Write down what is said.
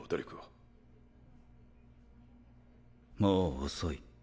もう遅い。